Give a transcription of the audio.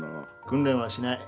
訓練はしない。